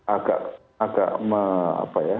agak agak apa ya